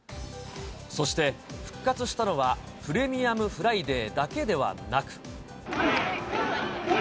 そして、復活したのはプレミアムフライデーだけではなく。